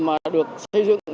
mà được xây dựng